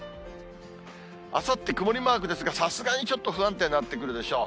あさって曇りマークですが、さすがにちょっと不安定になってくるでしょう。